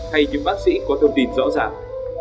hay những bác sĩ có thông tin rõ ràng